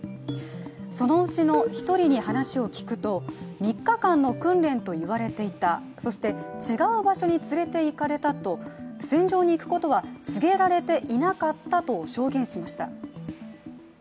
そのうちの１人に話を聞くと、３日間の訓練と言われていた、そして、違う場所に連れていかれたと戦場に行くことは告げられていなかったと証言しました。